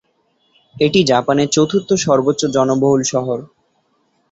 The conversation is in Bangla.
এটি জাপানের চতুর্থ সর্বোচ্চ জনবহুল শহর।